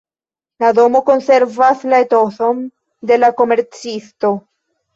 La domo konservas la etoson de la komercisto.